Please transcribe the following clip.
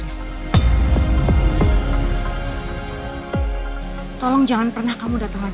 ricky aku pergi dulu ya sama papa